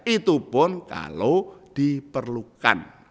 itu pun kalau diperlukan